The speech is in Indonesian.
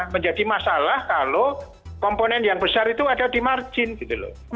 menjadi masalah kalau komponen yang besar itu ada di margin gitu loh